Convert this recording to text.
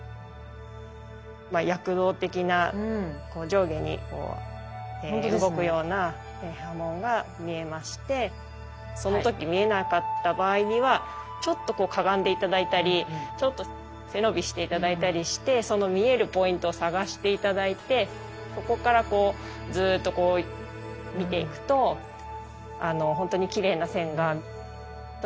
躍動的な上下に動くような刃文が見えましてその時見えなかった場合にはちょっとこうかがんで頂いたりちょっと背伸びして頂いたりしてその見えるポイントを探して頂いてそこからこうずっとこう見ていくとあのほんとにきれいな線が特に見えますのではい。